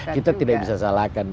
kita tidak bisa salahkan